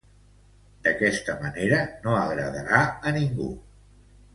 D'aquesta manera no agradarà a ningú.